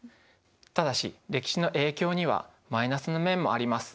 ただし歴史の影響にはマイナスの面もあります。